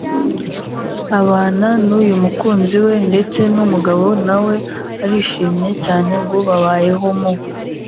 abana n’uyu mukunzi we ndetse n’umugabo na we arishimye cyane ngo babayeho mu